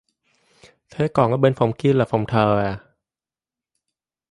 Thế còn ở bên phòng kia là phòng thờ à